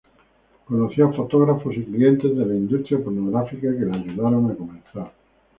Conoció a fotógrafos y clientes de la industria pornográfica que le ayudaron a comenzar.